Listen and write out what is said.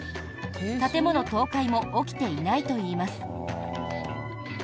建物倒壊も起きていないといいます。